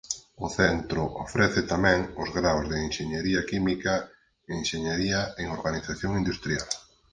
O centro ofrece tamén os graos en Enxeñería química e Enxeñaría en Organización industrial.